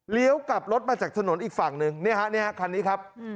กลับรถมาจากถนนอีกฝั่งหนึ่งเนี่ยฮะนี่ฮะคันนี้ครับ